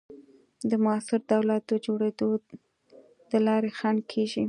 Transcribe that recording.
د موثر دولت د جوړېدو د لارې خنډ کېږي.